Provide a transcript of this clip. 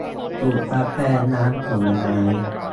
สูตรกาแฟน้ำผลไม้